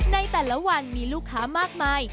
ในแต่ละวันมีลูกค้ามากมาย